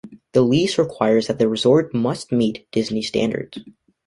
The lease requires that the resort must meet Disney standards.